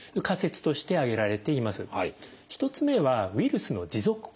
１つ目はウイルスの持続感染。